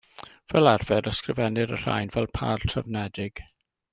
Fel arfer, ysgrifennir y rhain fel pâr trefnedig.